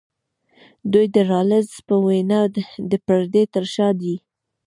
دوی د رالز په وینا د پردې تر شا دي.